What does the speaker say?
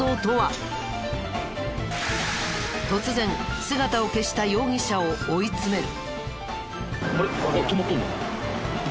突然姿を消した容疑者を追い詰める。